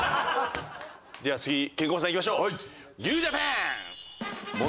じゃあ次ケンコバさんいきましょう。